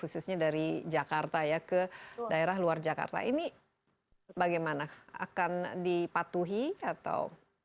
khususnya dari jakarta ya ke daerah luar jakarta ini bagaimana akan dipatuhi atau